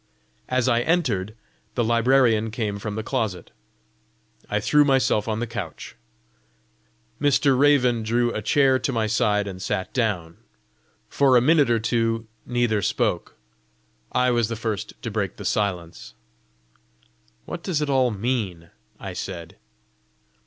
As I entered, the librarian came from the closet. I threw myself on a couch. Mr. Raven drew a chair to my side and sat down. For a minute or two neither spoke. I was the first to break the silence. "What does it all mean?" I said.